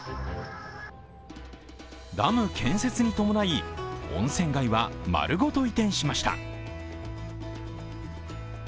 ダム建設に伴い、温泉街は丸ごと移転しました。